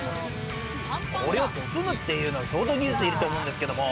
これを包むというのは相当技術いると思うんですけれども。